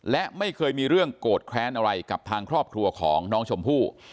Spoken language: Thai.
และไม่เคยมีเรื่องโกรธแค้นอะไรกับทางครอบครัวของน้องชมพู่